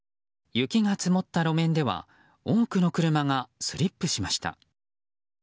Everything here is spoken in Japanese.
雪が積もった路面では多くの車がスリップしました。